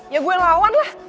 ya gue lawan lah